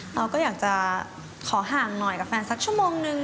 เราก็อยากจะขอห่างหน่อยกับแฟนสักชั่วโมงนึง